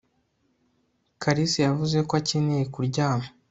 kalisa yavuze ko akeneye kuryama